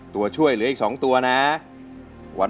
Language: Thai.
ตัวช่วยเหลืออีก๒ตัวนะ